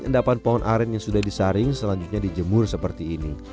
endapan pohon aren yang sudah disaring selanjutnya dijemur seperti ini